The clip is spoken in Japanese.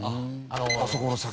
あそこの先。